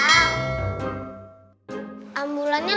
lama nih ambulannya